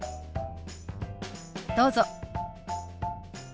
どうぞ。